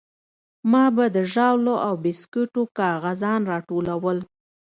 ما به د ژاولو او بيسکوټو کاغذان راټولول.